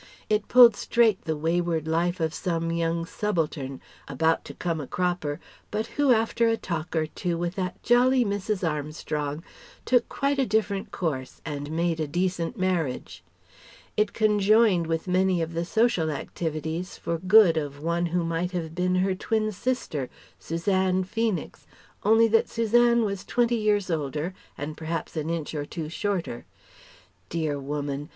It pulled straight the wayward life of some young subaltern, about to come a cropper, but who after a talk or two with that jolly Mrs. Armstrong took quite a different course and made a decent marriage. It conjoined with many of the social activities for good of one who might have been her twin sister Suzanne Feenix only that Suzanne was twenty years older and perhaps an inch or two shorter. Dear woman!